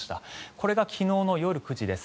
これが昨日の夜９時です。